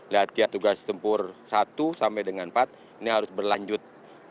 latihan tugas tempur satu sampai dengan empat ini harus berlanjut